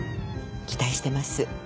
期待してます。